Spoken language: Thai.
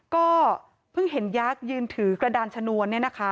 ก็เพิ่งเห็นยักษ์ยืนถือกระดานชนวนเนี่ยนะคะ